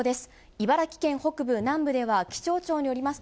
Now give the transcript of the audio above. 茨城県北部、南部では、気象庁によります